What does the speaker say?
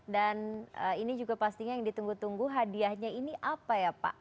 dan ini juga pastinya yang ditunggu tunggu hadiahnya ini apa ya pak